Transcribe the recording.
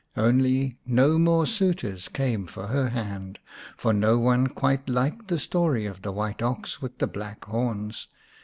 Only no more suitors came for her hand, for no one quite liked the story of the white ox with the black horns.